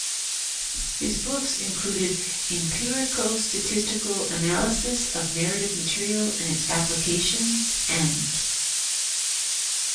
His books include "Empirico-statistical Analysis of Narrative Material and Its Applications" and "".